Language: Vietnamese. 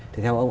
thì theo ông